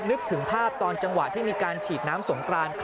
นึกถึงภาพตอนจังหวะที่มีการฉีดน้ำสงกราน